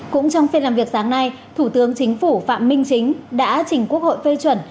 cũng trong phiên làm việc sáng nay thủ tướng chính phủ phạm minh chính đã trình quốc hội phê chuẩn